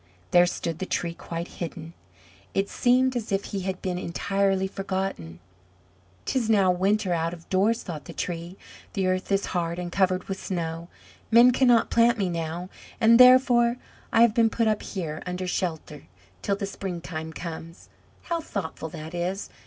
There stood the Tree quite hidden; it seemed as if he had been entirely forgotten. "'Tis now winter out of doors!" thought the Tree. "The earth is hard and covered with snow; men cannot plant me now, and therefore I have been put up here under shelter till the springtime comes! How thoughtful that is!